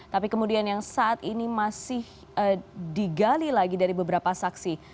tapi kemudian yang saat ini masih digali lagi dari beberapa saksi